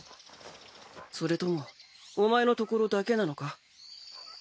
それともお前のところだけなのか？